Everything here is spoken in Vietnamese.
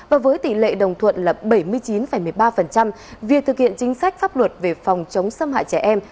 và với tỷ lệ đồng thuận là bảy mươi chín một mươi ba việc thực hiện chính sách pháp luật về phòng chống xâm hại trẻ em